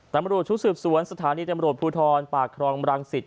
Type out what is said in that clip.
ตำรวจชุดสืบสวนสถานีตำรวจภูทรปากครองรังสิต